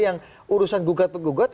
yang urusan gugat pengugat